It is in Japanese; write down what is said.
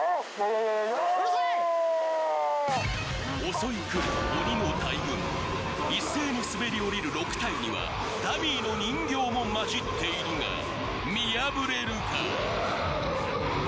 襲い来る鬼の大群一斉に滑り降りる６体にはダミーの人形も交じっているが見破れるか？